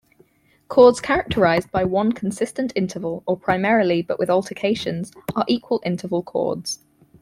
Chords characterized by one consistent interval, or primarily but with alterations, are equal-interval chords.